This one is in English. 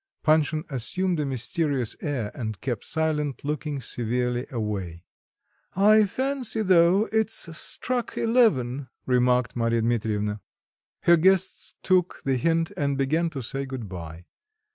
Panshin assumed a mysterious air and kept silent, looking severely away. "I fancy though it's struck eleven," remarked Marya Dmitrievna. Her guests took the hint and began to say good bye.